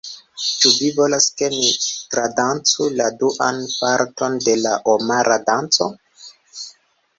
Ĉu vi volas ke ni tradancu la duan parton de la Omara Danco?